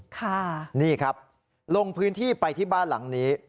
ค่ะนี่ครับลงพื้นที่ไปที่บ้านหลังนี้